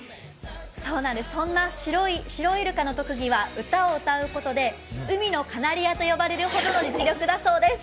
そんなシロイルカの特技は歌を歌うことで海のカナリアと呼ばれるほどの実力だそうです。